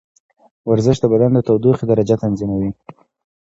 ورزش د بدن د تودوخې درجه تنظیموي.